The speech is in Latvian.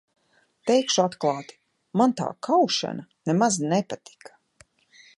Teikšu atklāti, man tā kaušana nemaz nepatika.